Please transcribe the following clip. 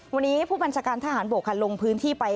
วันนี้ผู้บัญชาการทหารบกค่ะลงพื้นที่ไป